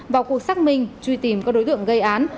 vào cuộc xác minh truy tìm các đối tượng gây án